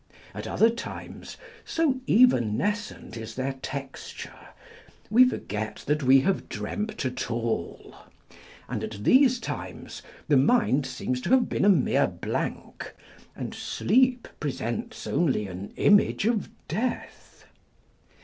At other times (so evanescent is their texture) we forget On Dreams. 25 that we have dreamt at all ; and at these times the mind seems to have been a mere blank, and sleep presents only an image of death.